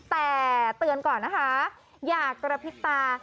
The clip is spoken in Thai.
แต่เตือนก่อนนะคะอย่ากระพริบตา